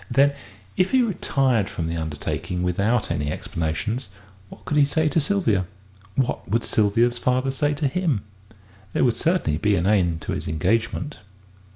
Then, if he retired from the undertaking without any explanations, what could he say to Sylvia? What would Sylvia's father say to him? There would certainly be an end to his engagement.